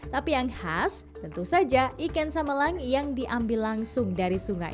tapi yang khas tentu saja ikan samelang yang diambil langsung dari sungai